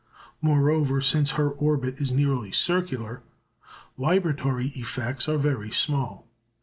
Moreover, since her orbit is nearly circular, libratory effects are very small.